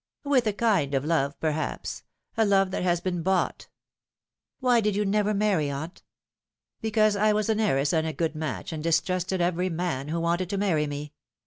" With a kind of love, perhaps a love that has been bought." " Why did you never marry, aunt ?"" Because I was an heiress and a good match, and distrusted every man who waated to marry me.